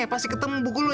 pasti ketemu buku lo ya